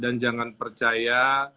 dan jangan percaya